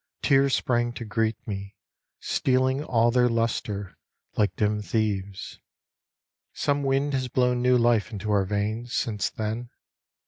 Tears sprang to greet Me, stealing all their lustre, like dim thieves. Some wind has blown new life into our veins Since then.